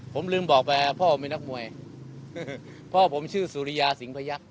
ผมลืมบอกไปพ่อมีนักมวยพ่อผมชื่อสุริยาสิงพยักษ